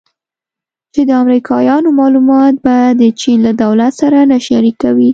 چې د امریکایانو معلومات به د چین له دولت سره نه شریکوي